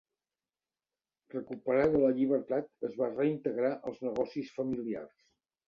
Recuperada la llibertat es va reintegrar als negocis familiars.